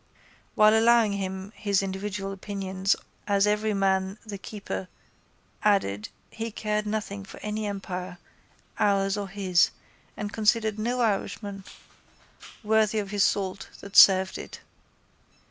While allowing him his individual opinions as everyman the keeper added he cared nothing for any empire, ours or his, and considered no Irishman worthy of his salt that served it.